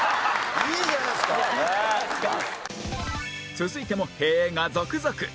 続いても「へえ」が続々